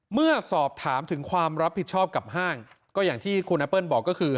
เมื่อสอบถามถึงความรับผิดชอบกับห้างก็อย่างที่คุณแอปเปิ้ลบอกก็คือ